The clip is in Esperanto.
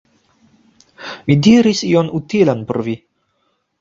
Mi diris ion utilan por vi!